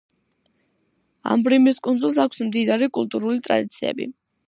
ამბრიმის კუნძულს აქვს მდიდარი კულტურული ტრადიციები.